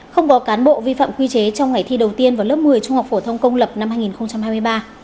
không có cán bộ vi phạm quy chế trong ngày thi đầu tiên vào lớp một mươi trung học phổ thông công lập năm hai nghìn hai mươi ba